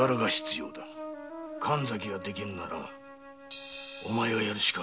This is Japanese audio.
神崎ができぬならお前がやるしかあるまい。